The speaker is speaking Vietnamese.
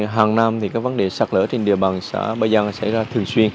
hàng năm thì các vấn đề sạt lở trên địa bàn xã ba giang xảy ra thường xuyên